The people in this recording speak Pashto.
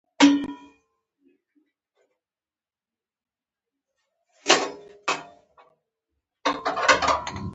حکومتي ادارې له ریاستي ادارو سره توپیر لري.